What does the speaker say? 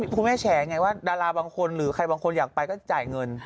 คุณแม่แฉไงว่าดาราบางคนหรือใครบางคนอยากไปก็จ่ายเงิน